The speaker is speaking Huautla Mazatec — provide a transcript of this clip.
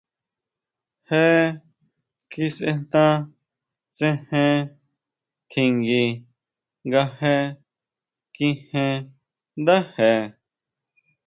Je kisʼejna tsejen tjingui nga je kíjen ndáje.